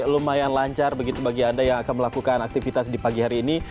lumayan lancar begitu bagi anda yang akan melakukan aktivitas di pagi hari ini